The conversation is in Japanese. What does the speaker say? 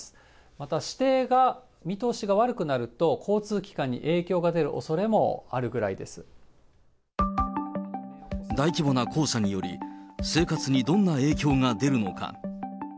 また、視程が、見通しが悪くなると、交通機関に影響が出るおそれもあるぐらいで大規模な黄砂により、生活にどんな影響が出るのか。